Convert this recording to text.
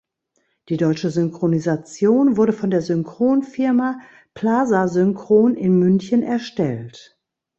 Die deutsche Synchronisation wurde von der Synchronfirma "Plaza-Synchron" in München erstellt.